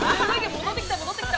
戻ってきた。